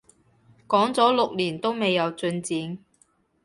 講咗六年都未有進展